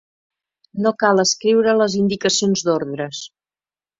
No cal escriure les indicacions d'ordres.